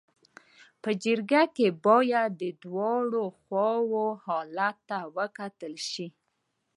په جرګه کي باید د دواړو خواو حالت ته وکتل سي.